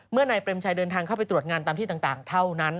นายเปรมชัยเดินทางเข้าไปตรวจงานตามที่ต่างเท่านั้น